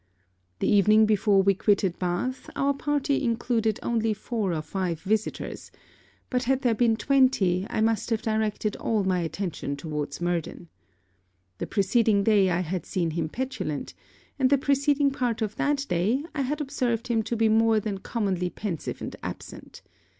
The evening before we quitted Bath, our party included only four or five visitors, but had there been twenty I must have directed all my attention towards Murden. The preceding day I had seen him petulant; and the preceding part of that day, I had observed him to be more than commonly pensive and absent.